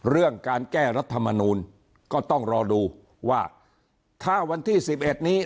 เรื่องการแก้รัฐมนูลก็ต้องรอดูว่าถ้าวันที่๑๑นี้